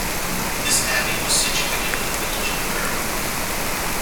This abbey was situated in the village of Bern.